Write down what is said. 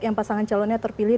yang pasangan calonnya terpilih